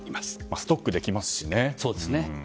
ストックできますしね。